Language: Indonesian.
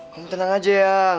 kamu tenang aja ya